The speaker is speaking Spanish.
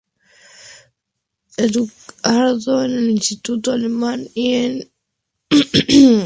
Educado en el Instituto Alemán y en el Liceo de Osorno.